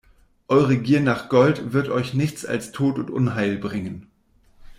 Eure Gier nach Gold wird euch nichts als Tod und Unheil bringen!